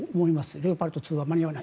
レオパルト２は間に合わない。